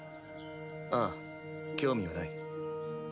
ああ興味はない。